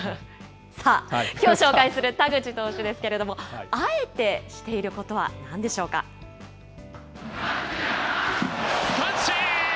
さあ、きょう紹介する田口投手ですけれども、あえてしている三振！